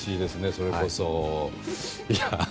それこそ。